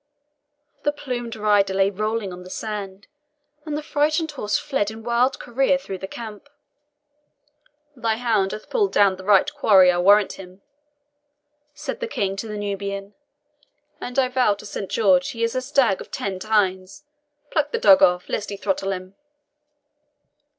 The plumed rider lay rolling on the sand, and the frightened horse fled in wild career through the camp. "Thy hound hath pulled down the right quarry, I warrant him," said the King to the Nubian, "and I vow to Saint George he is a stag of ten tynes! Pluck the dog off; lest he throttle him."